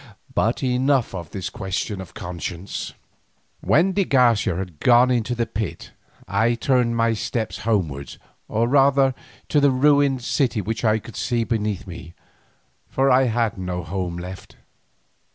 But enough of this question of conscience. When de Garcia was gone into the pit, I turned my steps homewards, or rather towards the ruined city which I could see beneath me, for I had no home left.